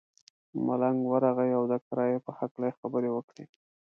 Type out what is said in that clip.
ملنګ ورغئ او د کرایې په هکله یې خبرې وکړې.